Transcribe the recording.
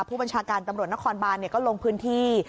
ผู้บัญชาการตำรวจนครบานก็ลงพื้นที่